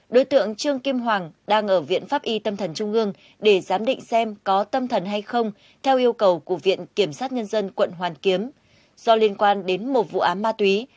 đối tượng trương kim hoàng đang ở viện pháp y tâm thần trung ương để giám định xem có tâm thần hay không theo yêu cầu của viện kiểm sát nhân dân quận hoàn kiếm do liên quan đến một vụ án ma túy